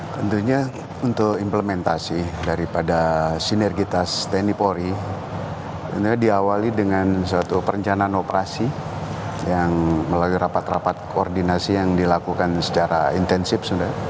tentunya untuk implementasi daripada sinergitas tni polri ini diawali dengan suatu perencanaan operasi yang melalui rapat rapat koordinasi yang dilakukan secara intensif